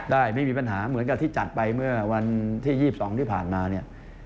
ไม่มีปัญหาเหมือนกับที่จัดไปเมื่อวันที่๒๒ที่ผ่านมาเนี่ย